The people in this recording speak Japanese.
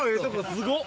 すごっ！